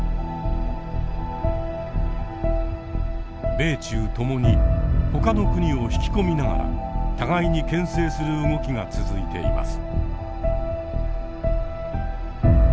米中ともにほかの国を引き込みながら互いに牽制する動きが続いています。